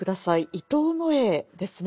伊藤野枝ですね。